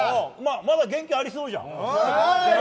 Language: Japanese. まだ元気ありそうじゃん。